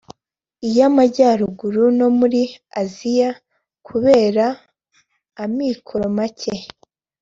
iy’Amajyaruguru no muri Asia kubera amikoro make